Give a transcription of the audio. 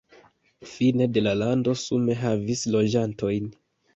Fine de la lando sume havis loĝantojn.